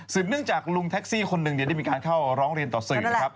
เนื่องจากลุงแท็กซี่คนหนึ่งได้มีการเข้าร้องเรียนต่อสื่อนะครับ